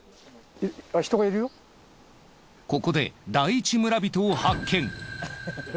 ここで第一村人を発見。